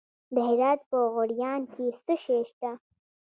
د هرات په غوریان کې څه شی شته؟